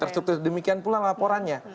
terstruktur demikian pula laporannya